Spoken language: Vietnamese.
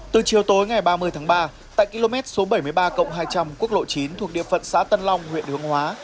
từ chiều tối ngày ba mươi tháng ba tại km bảy mươi ba hai trăm linh quốc lộ chín thuộc địa phận xã tân long huyện hương hóa